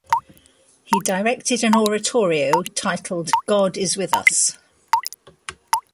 He directed an oratorio titled "God is with us".